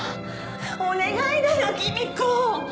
お願いだよ君子！